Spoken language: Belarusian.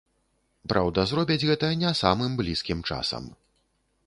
Праўда, зробяць гэта не самым блізкім часам.